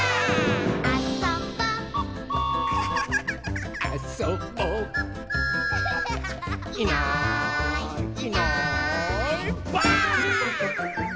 「あそぼ」「あそぼ」「いないいないばあっ！」